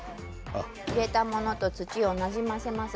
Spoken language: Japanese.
入れたものと土をなじませます